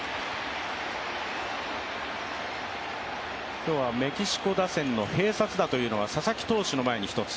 今日はメキシコ打線の併殺打というのは、佐々木投手の前に１つ。